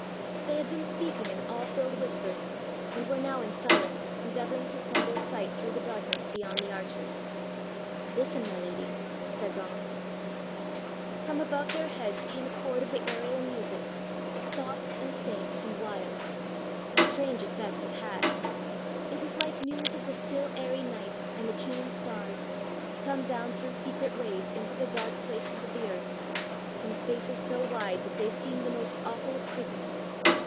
They had been speaking in awe filled whispers, and were now in silence endeavouring to send their sight through the darkness beyond the arches. "Listen, my lady," said Donal. From above their heads came a chord of the aerial music, soft and faint and wild! A strange effect it had! it was like news of the still airy night and the keen stars, come down through secret ways into the dark places of the earth, from spaces so wide that they seem the most awful of prisons!